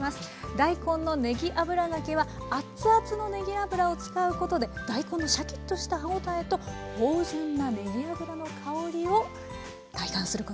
大根のねぎ油がけはあっつあつのねぎ油を使うことで大根のシャキッとした歯応えと芳じゅんなねぎ油の香りを体感することができます。